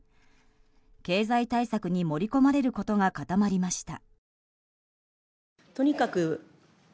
経済対策に盛り込まれることが固まりました。